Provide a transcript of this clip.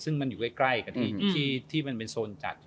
ซึ่งมันอยู่ใกล้กับที่มันเป็นโซนจัด